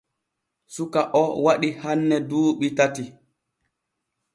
Suka o waɗi hanne duuɓi tati.